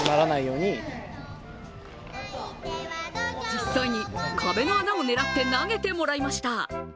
実際に壁の穴を狙って投げてもらいました。